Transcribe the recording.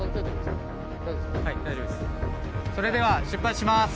それでは出発します。